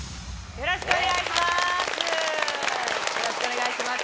よろしくお願いします。